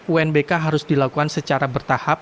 unbk harus dilakukan secara bertahap